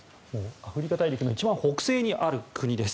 アフリカ大陸の一番北西にある国です。